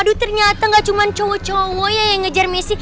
aduh ternyata gak cuma cowok cowok ya yang ngejar messi